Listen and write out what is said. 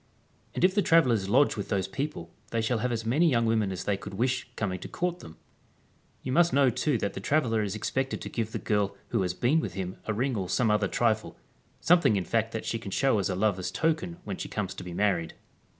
And if the travellers lodge with those people they shall have as many young women as they could wish coming to court them I You must know too that the tra veller is expected to give the girl who has been with him a ring or some other trifle, something in fact that she can show as a lover's token when she comes to be married.